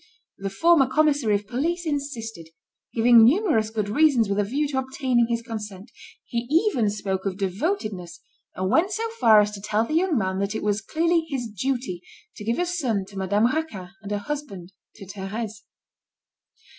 The former commissary of police insisted, giving numerous good reasons with a view to obtaining his consent. He even spoke of devotedness, and went so far as to tell the young man that it was clearly his duty to give a son to Madame Raquin and a husband to Thérèse.